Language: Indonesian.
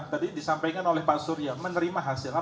tadi disampaikan oleh pak surya menerima hasilnya